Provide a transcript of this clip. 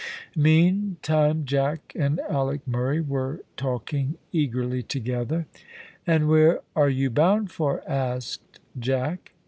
Meantime Jack and Alick Murray were talking eagerly together. "And where are you bound for?" asked Jack.